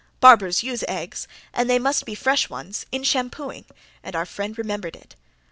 Barbers use eggs, and they must be fresh ones, in shampooing, and our friend remembered it.